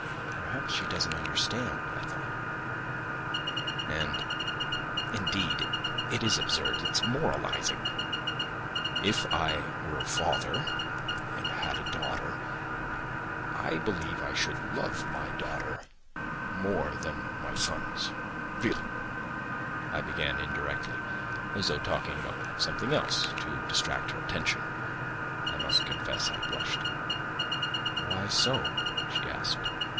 "Perhaps she doesn't understand," I thought, "and, indeed, it is absurd—it's moralising." "If I were a father and had a daughter, I believe I should love my daughter more than my sons, really," I began indirectly, as though talking of something else, to distract her attention. I must confess I blushed. "Why so?" she asked.